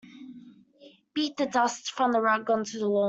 Beat the dust from the rug onto the lawn.